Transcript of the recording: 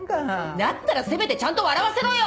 だったらせめてちゃんと笑わせろよ！